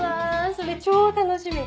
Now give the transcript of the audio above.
それ超楽しみ！